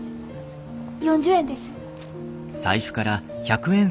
４０円です。